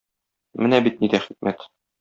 Менә бит нидә хикмәт!